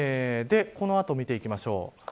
この後を見ていきましょう。